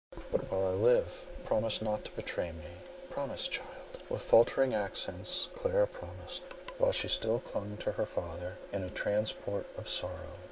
But while I live, promise not to betray me; promise, my child." With faltering accents Clara promised, while she still clung to her father in a transport of sorrow.